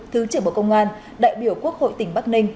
thứ trưởng bộ công an đại biểu quốc hội tỉnh bắc ninh